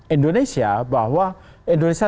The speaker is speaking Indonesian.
indonesia bahwa indonesia